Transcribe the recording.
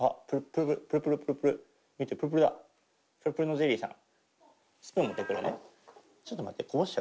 プルプルのゼリーさん。